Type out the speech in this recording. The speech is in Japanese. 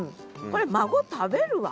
これ孫食べるわ。